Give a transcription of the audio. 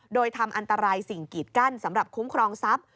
โดยทำอันตรายสิ่งกีดกั้นสำหรับคุ้มครองทรัพย์